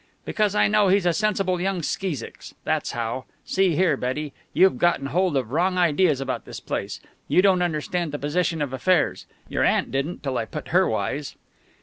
"Because I know he's a sensible young skeesicks. That's how. See here, Betty, you've gotten hold of wrong ideas about this place. You don't understand the position of affairs. Your aunt didn't till I put her wise."